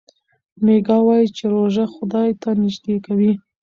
میکا وايي چې روژه خدای ته نژدې کوي.